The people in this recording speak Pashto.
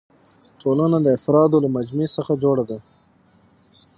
ټولنه د افرادو له مجموعي څخه جوړه ده.